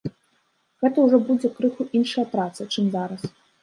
Гэта ўжо будзе крыху іншая праца, чым зараз.